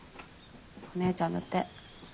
お姉ちゃんだって。